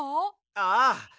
ああ。